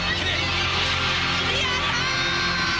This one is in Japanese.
やった！